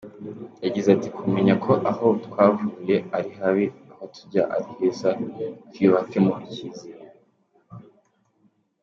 Yagize ati "Kumenya ko aho twavuye ari habi aho tujya ari heza twiyubakemo icyizere.